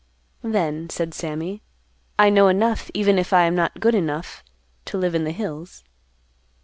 "Then," said Sammy; "I know enough, even if I am not good enough, to live in the hills."